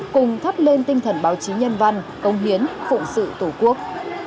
cùng thắp lên tinh thần báo chí nhân văn công hiến phụ sự tổ quốc